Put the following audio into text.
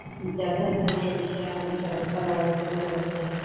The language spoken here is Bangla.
যথাস্থানে এ বিষয়ে আমি সবিস্তার আলোচনা করেছি।